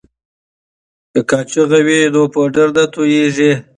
که قاشغه وي نو پوډر نه توییږي.